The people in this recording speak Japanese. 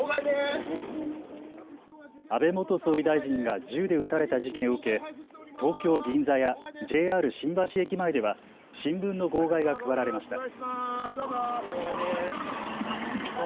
安倍元総理大臣が銃で撃たれた事件を受け、東京銀座やＪＲ新橋駅前では新聞の号外が配られました。